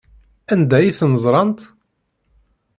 Anda ay ten-ẓrant?